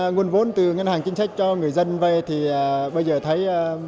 nguồn vốn từ ngân hàng chính sách cho người dân về thì bây giờ thấy